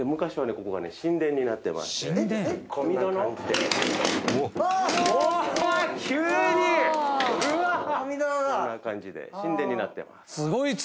こんな感じで神殿になってます。